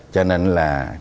cho nên là